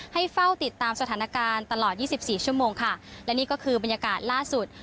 เฝ้าติดตามสถานการณ์ตลอดยี่สิบสี่ชั่วโมงค่ะและนี่ก็คือบรรยากาศล่าสุด